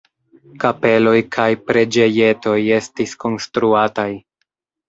Kapeloj kaj preĝejetoj estis konstruataj.